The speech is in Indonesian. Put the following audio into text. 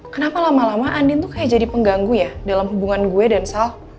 kenapa lama lama andin tuh kayak jadi pengganggu ya dalam hubungan gue dan salk